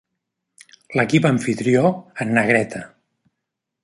L'equip amfitrió en negreta.